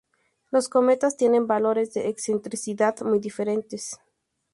Los cometas tienen valores de excentricidad muy diferentes.